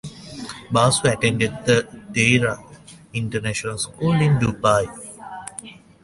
Basu attended the Deira International School in Dubai.